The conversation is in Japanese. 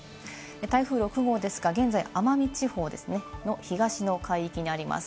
台風６号ですが現在、奄美地方の東の海域にあります。